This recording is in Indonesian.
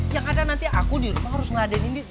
ya kadang nanti aku di rumah harus ngadenin dia